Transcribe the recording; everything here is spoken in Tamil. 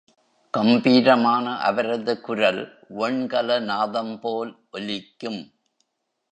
கம்பீரமான அவரது குரல் வெண்கல நாதம்போல் ஒலிக்கும்.